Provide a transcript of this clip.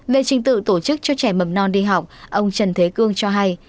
về trình tự tổ chức cho trẻ mầm non đi học ông trần thế cương cho hay